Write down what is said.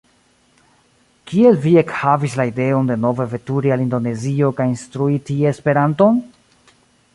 Kiel vi ekhavis la ideon denove veturi al Indonezio kaj instrui tie Esperanton?